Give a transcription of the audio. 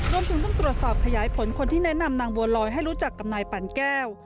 รวมถึงต้องตรวจสอบขยายผลคนที่แนะนำนางบัวลอยให้รู้จักกับนายปั่นแก้ว